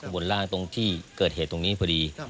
บนร่างตรงที่เกิดเหตุตรงนี้พอดี